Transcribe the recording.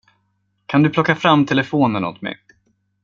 Kan du plocka fram telefonen åt mig?